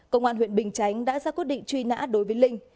công an huyện bình chánh đã ra quyết định truy nã đối với linh